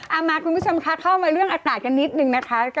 มาคุณผู้ชมคะเข้ามาเรื่องอากาศกันนิดนึงนะคะ